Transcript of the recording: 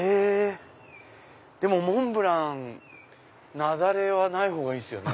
でもモンブラン雪崩はないほうがいいですね。